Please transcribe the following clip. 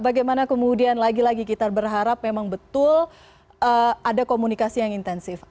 bagaimana kemudian lagi lagi kita berharap memang betul ada komunikasi yang intensif